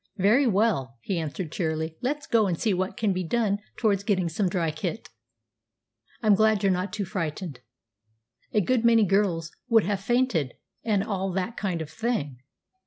"Very well," he answered cheerily. "Let's go and see what can be done towards getting some dry kit. I'm glad you're not too frightened. A good many girls would have fainted, and all that kind of thing."